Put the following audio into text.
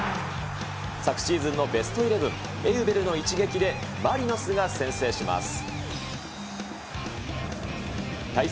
昨シーズンのベストイレブン、エウベルの一撃で、マリノスが先制します。